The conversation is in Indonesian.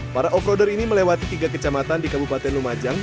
para offroader ini melewati tiga kecamatan di kabupaten lumajang